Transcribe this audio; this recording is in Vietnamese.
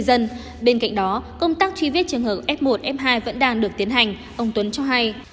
vẫn đang được tiến hành ông tuấn cho hay